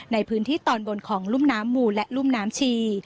ในพื้นที่ตอนบนของรุ่มน้ำหมู่และรุ่มน้ำชี